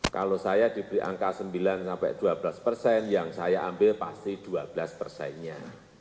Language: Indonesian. kalau saya diberi angka sembilan sampai dua belas persen yang saya ambil pasti dua belas persennya